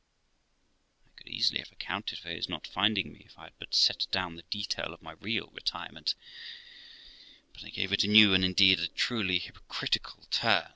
I could easily have accounted for his not finding me if I had but set down the detail of my real retirement; but I gave it a new, and indeed a truly hypocritical turn.